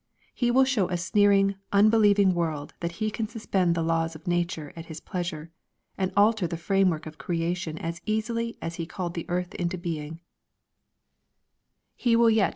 He will show a sneering, unbe^ieviug world that He can suspend the laws of nature at His pleasure, and alter the framework of creation as easily as He called the earth into being He will yet 480 EXPOSITORY THOUGHTS.